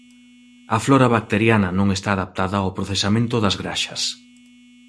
A flora bacteriana non está adaptada ao procesamento das graxas.